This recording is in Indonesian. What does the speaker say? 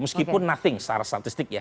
meskipun nothing secara statistik ya